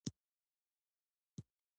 توپک د ښوونځي ضد دی.